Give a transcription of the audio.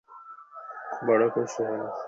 বড়ো খুশি হইলাম।